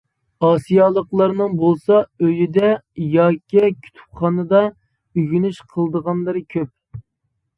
ئاسىيالىقلارنىڭ بولسا ئۆيىدە ياكى كۇتۇپخانىدا ئۆگىنىش قىلىدىغانلىرى كۆپ.